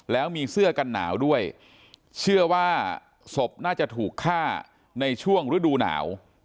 แล้วมีเสื้อกันหนาวด้วยเชื่อว่าศพน่าจะถูกฆ่าในช่วงฤดูหนาว